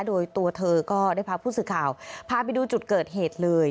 โดยตัวเธอก็ได้พาผู้สื่อข่าวพาไปดูจุดเกิดเหตุเลย